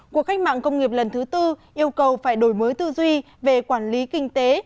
cuộc cách mạng công nghiệp lần thứ tư yêu cầu phải đổi mới tư duy về quản lý kinh tế